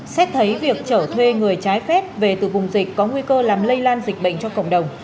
xét thấy việc trở thuê người trái phép về từ vùng dịch có nguy cơ làm lây lan dịch bệnh cho cộng đồng